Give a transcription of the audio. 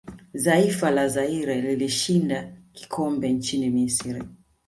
zaifa la Zaire lilishinda kikombe nchini misri